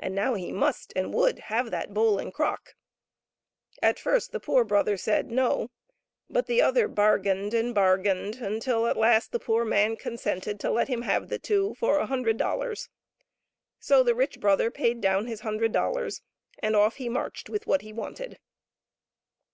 And now he must and would have that bowl and crock. At first the poor brother said No," but the other bargained and bargained until, at last, the poor man consented to let him have the two for a hundred dollars. So the rich brother paid down his hundred dollars, and off he marched with what he wanted.